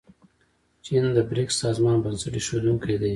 چین د بریکس سازمان بنسټ ایښودونکی دی.